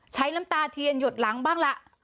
น้ำตาเทียนหยดหลังบ้างล่ะ